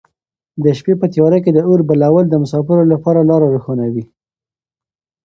د شپې په تیاره کې د اور بلول د مساپرو لپاره لاره روښانوي.